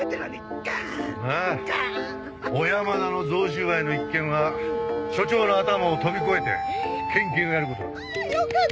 小山田の贈収賄の一件は署長の頭を飛び越えて県警がやる事になった。